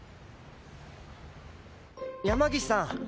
山岸さん。